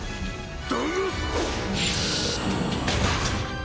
だが！